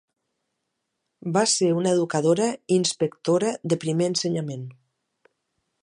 Va ser una educadora i inspectora de Primer Ensenyament.